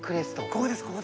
ここです